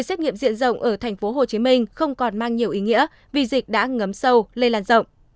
xét nghiệm diện rộng ở thành phố hồ chí minh không còn mang nhiều ý nghĩa vì dịch đã ngấm sâu lây lan rộng